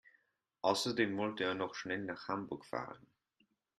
Außerdem wollte er noch schnell nach Hamburg fahren